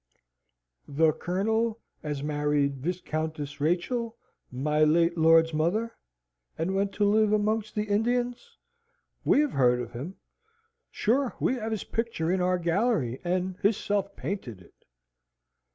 "The Colonel as married Viscountess Rachel, my late lord's mother? and went to live amongst the Indians? We have heard of him. Sure we have his picture in our gallery, and hisself painted it."